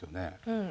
うん。